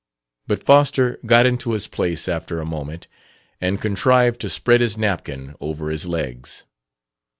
But Foster got into his place after a moment and contrived to spread his napkin over his legs.